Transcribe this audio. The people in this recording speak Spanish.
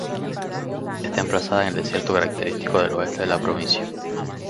Está emplazada en el desierto característico del oeste de la provincia.